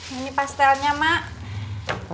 ini pastelnya ma